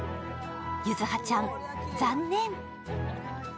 柚葉ちゃん、残念。